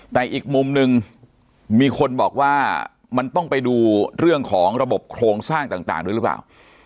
แต่อีกมุมหนึ่งมีคนบอกว่ามันต้องไปดูเรื่องของระบบโครงสร้างต่างด้วยหรือเปล่า